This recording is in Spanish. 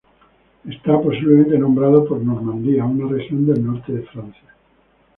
Está posiblemente nombrado por Normandía, una región del norte de Francia.